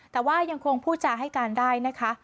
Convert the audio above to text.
แต่ว่ายังคงพูดจาให้การได้นะคะ